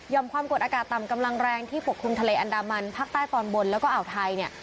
ความกดอากาศต่ำกำลังแรงที่ปกคลุมทะเลอันดามันภาคใต้ตอนบนแล้วก็อ่าวไทยเนี่ย